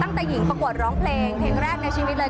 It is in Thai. ตั้งแต่หญิงประกวดร้องเพลงเพลงแรกในชีวิตเลย